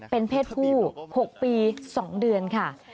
เป็นเพศผู้๖ปี๒เดือนค่ะ